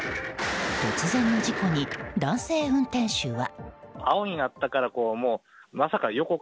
突然の事故に、男性運転手は。